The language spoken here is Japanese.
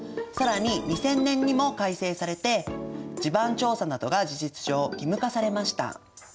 更に２０００年にも改正されて地盤調査などが事実上義務化されました。